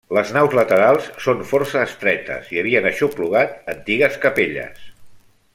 Les naus laterals són força estretes, i havien aixoplugat antigues capelles.